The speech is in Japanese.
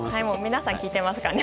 皆さん、聞いてますからね。